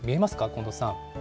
近藤さん。